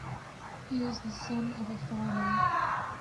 He is the son of a farmer.